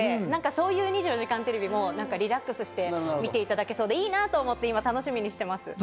そういう『２４時間テレビ』もリラックスして見ていただけそうでいいなと思って、今、楽しみにしています。